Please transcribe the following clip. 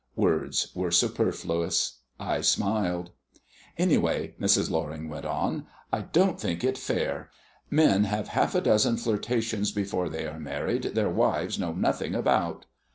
Words were superfluous. I smiled. "Anyway," Mrs. Loring went on, "I don't think it fair. Men have half a dozen flirtations before they are married their wives know nothing about."